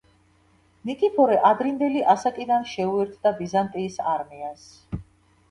ნიკიფორე ადრინდელი ასაკიდან შეუერთდა ბიზანტიის არმიას.